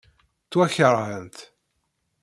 Ttwakeṛhent.